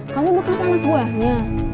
kamu bekas anak buahnya